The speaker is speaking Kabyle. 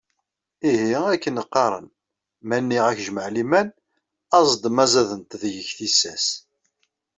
Ihi, akken qqaren: "Ma nniɣ-ak jmaɛliman, aẓ-d ma zadent deg-k tissas".